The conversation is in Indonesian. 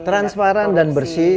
transparan dan bersih